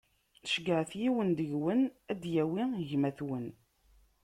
Ceggɛet yiwen deg-wen ad d-yawi gma-twen;